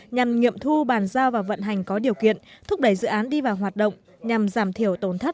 nhằm nghiệm thu bàn giao và vận hành có điều kiện thúc đẩy dự án đi vào hoạt động nhằm giảm thiểu tổn thất